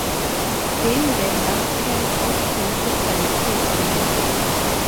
Being the last camp of political prisoners.